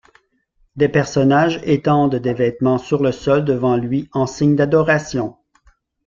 Des personnages étendent des vêtements sur le sol devant lui en signe d'adoration.